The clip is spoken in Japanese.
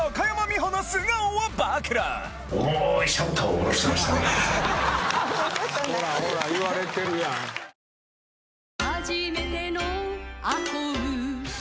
このあとほらほら言われてるやん。わ！